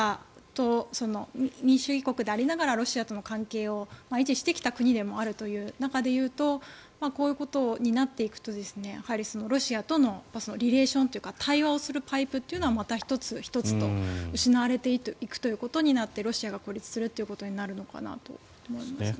民主主義国でありながらロシアとの関係を維持してきた国でもあるという中でいうとこういうことになっていくとやはり、ロシアとのリレーションというか対話をするパイプがまた１つ１つと失われていくことになってロシアが孤立するということになるのかなと思いました。